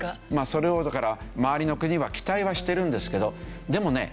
それをだから周りの国は期待はしてるんですけどでもね